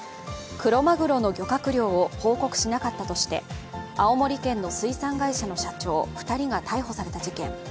クロマグロの漁獲量を報告しなかったとして青森県の水産会社の社長２人が逮捕された事件。